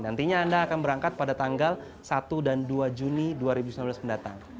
nantinya anda akan berangkat pada tanggal satu dan dua juni dua ribu sembilan belas mendatang